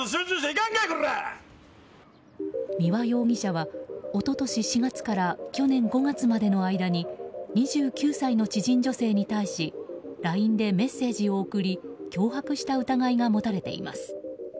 三輪容疑者は、一昨年４月から去年５月までの間に２９歳の知人女性に対しＬＩＮＥでメッセージを送り脅迫した疑いが持たれています。